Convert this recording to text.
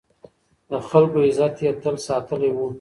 د خلکو عزت يې تل ساتلی و.